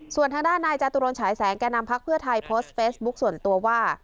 ส่วนทางด้านในจศแก่นำพักเพื่อไทยโพสต์เฟสบุ๊คส่วนตัวว่า